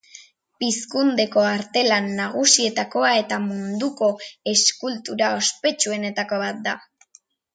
Pizkundeko artelan nagusietakoa eta munduko eskultura ospetsuenetako bat da.